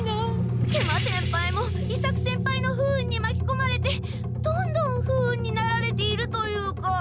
食満先輩も伊作先輩の不運にまきこまれてどんどん不運になられているというか。